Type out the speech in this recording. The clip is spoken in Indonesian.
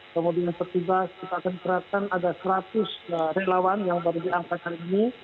kemudian pertubas kita akan kerakun ada seratus relawan yang baru diangkatkan ini